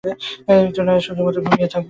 মৃত্যু নয়, শুধুমাত্র ঘুমিয়ে থাকবে।